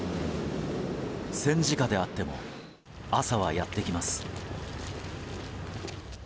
戦時下であっても朝はやってきます。